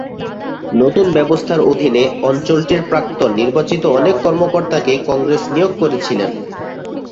নতুন ব্যবস্থার অধীনে, অঞ্চলটির প্রাক্তন নির্বাচিত অনেক কর্মকর্তাকে কংগ্রেস নিয়োগ করেছিলেন।